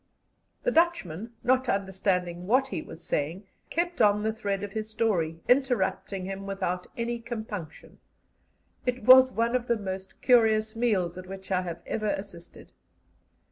The Dutchman, not understanding what he was saying, kept on the thread of his story, interrupting him without any compunction. It was one of the most curious meals at which I have ever assisted.